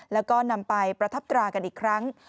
แล้วก็นำไปประทับตรากันอีกครั้ง